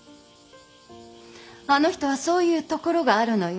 あの人はそういうところがあるのよ。